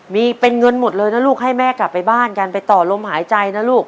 มีเป็นเงินหมดเลยนะลูกให้แม่กลับไปบ้านกันไปต่อลมหายใจนะลูก